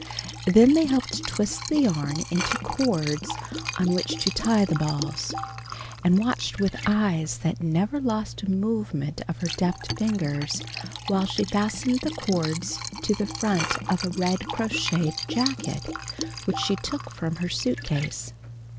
Then they helped twist the yarn into cords on which to tie the balls, and watched with eyes that never lost a movement of her deft fingers, while she fastened the cords to the front of a red crocheted jacket, which she took from her suitcase.